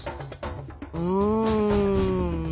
うん？